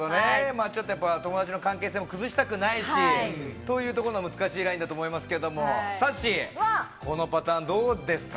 友達の関係性も崩したくないし、という難しいラインだと思いますが、さっしー、このパターンどうですか？